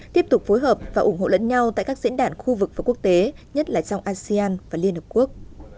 tiếp tục phối hợp và ủng hộ lẫn nhau tại các diễn đàn khu vực và quốc tế nhất là trong asean và liên hợp quốc